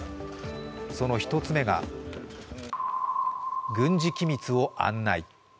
その１つ目が軍事機密を案内。